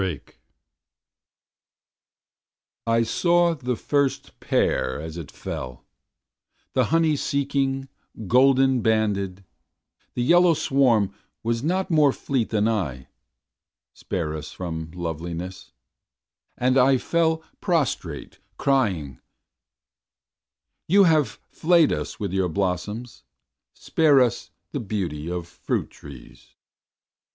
Orchard I SAW the first pear as it fell the honey seeking, golden banded, the yellow swarm was not more fleet than I, (spare us from loveliness) and I fell prostrate crying: you have flayed us with your blossoms, spare us the beauty of fruit trees.